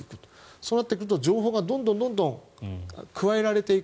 そうなってくると情報がどんどん加えられていく。